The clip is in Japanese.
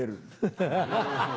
ハハハ！